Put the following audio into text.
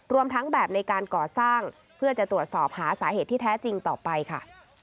ทั้งแบบในการก่อสร้างเพื่อจะตรวจสอบหาสาเหตุที่แท้จริงต่อไปค่ะ